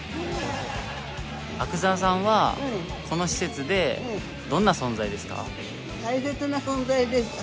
阿久澤さんはこの施設でどんな存在ですか？